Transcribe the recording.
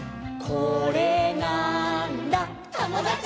「これなーんだ『ともだち！』」